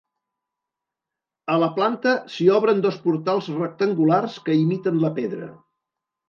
A la planta s'hi obren dos portals rectangulars que imiten la pedra.